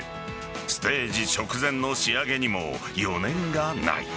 ステージ直前の仕上げにも余念がない。